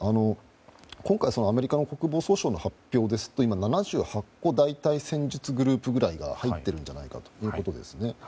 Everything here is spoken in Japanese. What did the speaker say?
今回、アメリカの国防総省の発表ですと７８個大隊戦術グループが入っているんじゃないかということです。